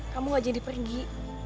kamu gak jadi pergi